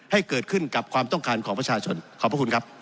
ให้เกิดขึ้นกับความต้องการของประชาชนขอบพระคุณครับ